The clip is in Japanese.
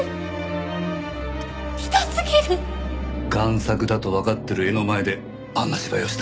贋作だとわかってる絵の前であんな芝居をした。